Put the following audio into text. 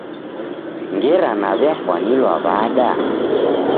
Ngera naw'iafwanilwa wada?